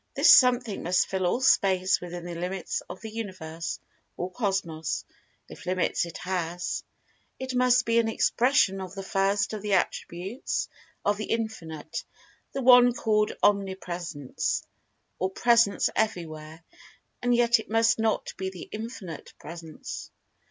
This Something must fill all Space[Pg 183] within the Limits of the Universe, or Cosmos—if limits it has. It must be an expression of the first of the attributes of The Infinite—the one called Omnipresence, or Presence everywhere—and yet it must not be The Infinite Presence.